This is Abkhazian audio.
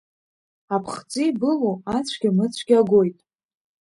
Аԥхӡы ибылоу ацәгьа-мыцәгьа агоит.